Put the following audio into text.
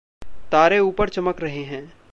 तारे ऊपर चमक रहें हैं।